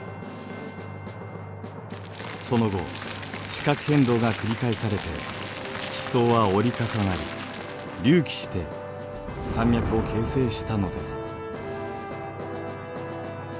その後地殻変動が繰り返されて地層は折り重なり隆起して山脈を形成したのです。